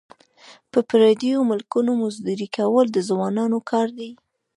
په پردیو ملکونو مزدوري کول د ځوانانو کار دی.